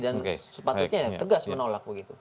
dan sepatutnya ya tegas menolak begitu